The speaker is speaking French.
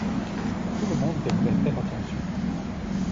Tout le monde devrait faire attention.